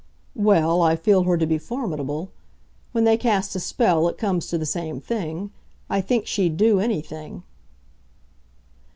"Well, I feel her to be formidable. When they cast a spell it comes to the same thing. I think she'd do anything."